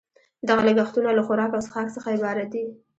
دغه لګښتونه له خوراک او څښاک څخه عبارت دي